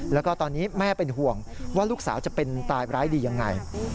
แล้วก็ตอนนี้แม่เป็นห่วงว่าลูกสาวจะเป็นตายร้ายดียังไง